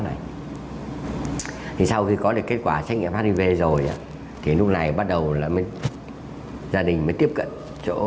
này thì sau khi có được kết quả xét nghiệm hiv rồi thì lúc này bắt đầu là gia đình mới tiếp cận chỗ